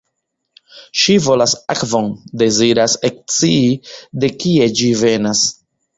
Ŝi volas akvon — deziras ekscii de kie ĝi venas.